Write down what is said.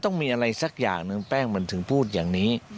ต้องมีอะไรสักอย่างหนึ่งแป้งมันถึงพูดอย่างนี้